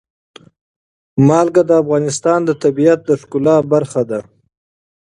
نمک د افغانستان د طبیعت د ښکلا برخه ده.